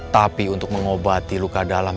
tapi untuk mengobati luka dalam